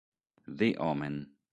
The Omen